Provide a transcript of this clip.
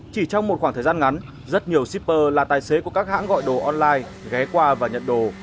chỉ trong một khoảng thời gian ngắn rất nhiều shipper là tài xế của các hãng gọi đồ online ghé qua và nhận đồ